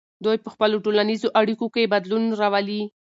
دوی په خپلو ټولنیزو اړیکو کې بدلون راولي.